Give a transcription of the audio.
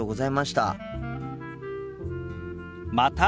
また。